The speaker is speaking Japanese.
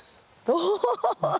お！